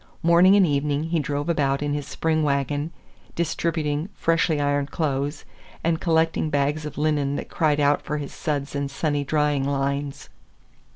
Morning and evening he drove about in his spring wagon, distributing freshly ironed clothes, and collecting bags of linen that cried out for his suds and sunny drying lines.